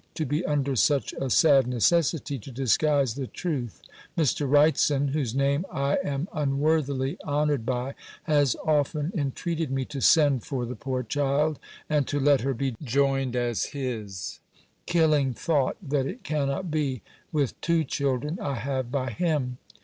to be under such a sad necessity to disguise the truth! Mr. Wrightson (whose name I am unworthily honoured by) has often entreated me to send for the poor child, and to let her be joined as his killing thought, that it cannot be! with two children I have by him!